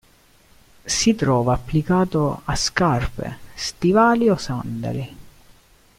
Si trova applicato a scarpe, stivali o sandali.